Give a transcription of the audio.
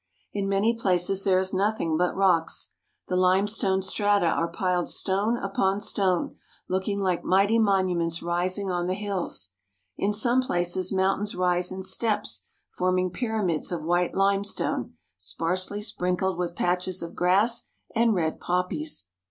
In many places there is nothing but rocks. The lime stone strata are piled stone upon stone, looking like mighty monuments rising on the hills. In some places mountains rise in steps forming pyramids of white lime stone, sparsely sprinkled with patches of grass and red poppies.